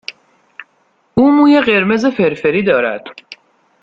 او موی قرمز فرفری دارد.